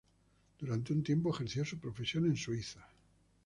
Durante un tiempo ejerció su profesión en Suiza.